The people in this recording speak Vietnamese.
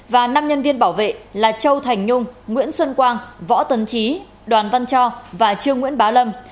và năm nhân viên bảo vệ là châu thành nhung nguyễn xuân quang võ tấn trí đoàn văn cho và trương nguyễn bá lâm